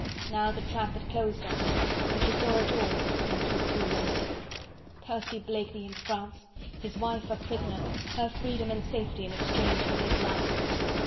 Now the trap had closed on her and she saw it all, when it was too late. Percy Blakeney in France! His wife a prisoner! Her freedom and safety in exchange for his life!